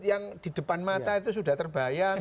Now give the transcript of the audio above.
yang di depan mata itu sudah terbayang